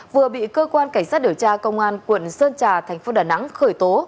vừa bị cơ quan cảnh sát điều tra công an quận sơn trà thành phố đà nẵng khởi tố